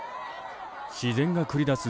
自然が繰り出す